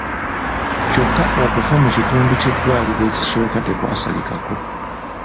Kyokka okufa mu kitundu ky’eddwaliro ekisooka tekwasalikako.